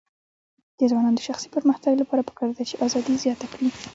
د ځوانانو د شخصي پرمختګ لپاره پکار ده چې ازادي زیاته کړي.